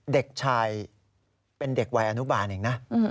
เด็กชายเป็นเด็กวัยอนุบาลเองนะ